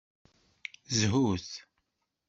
Zhut!